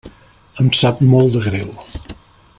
Em sap molt de greu.